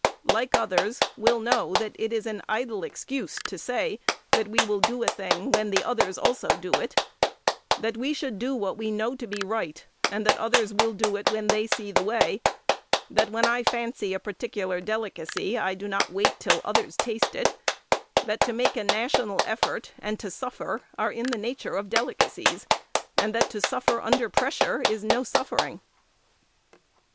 like others, will know that it is an idle excuse to say that we will do a thing when the others also do it; that we should do what we know to be right, and that others will do it when they see the way; that when I fancy a particular delicacy, I do not wait till others taste it; that to make a national effort and to suffer are in the nature of delicacies; and that to suffer under pressure is no suffering.